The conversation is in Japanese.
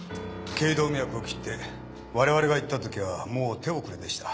頚動脈を切って我々が行ったときはもう手遅れでした。